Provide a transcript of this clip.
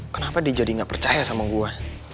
kenapa dia jadi nggak percaya sama gue